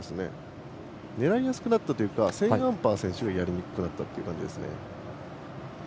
狙いやすくなったというかセーンアンパー選手がやりにくくなったという感じですね。